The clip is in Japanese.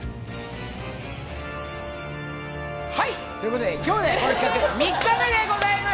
はい、ということで今日で３日目でございます。